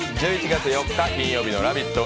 １１月４日金曜日ラヴィット！